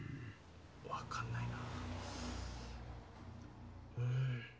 分かんないな。